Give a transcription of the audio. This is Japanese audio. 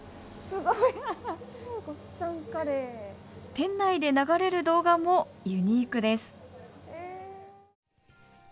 店内で流れる動画もユニークです